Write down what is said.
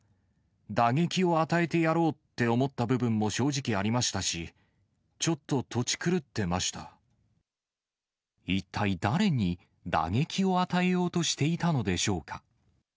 打撃を与えてやろうって思った部分も正直ありましたし、ちょっと一体誰に、打撃を与えようとしていたのでしょうか。